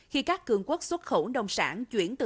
khi các cường quốc xuất khẩu đồng sản chuyển sang lương thực